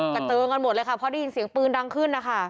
เติงกันหมดเลยค่ะพอได้ยินเสียงปืนดังขึ้นนะคะ